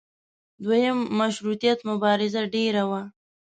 دویم مشروطیت مبارزه ډېره وه.